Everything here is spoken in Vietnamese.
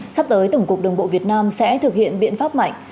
sắp tới tổng cục đường bộ việt nam sẽ thực hiện biện pháp mạnh